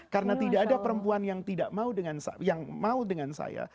karena tidak ada perempuan yang mau dengan saya